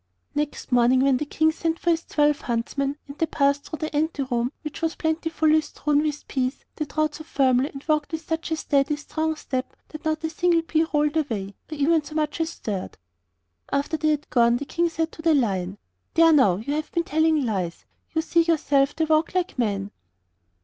Next morning, when the King sent for his twelve huntsmen, and they passed through the ante room which was plentifully strewn with peas, they trod so firmly and walked with such a steady, strong step that not a single pea rolled away or even so much as stirred. After they were gone the King said to the Lion: 'There now you have been telling lies you see yourself they walk like men.